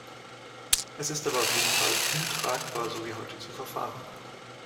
Es ist aber auf jeden Fall untragbar, so wie heute zu verfahren.